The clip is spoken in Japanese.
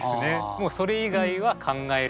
もうそれ以外は考えられない。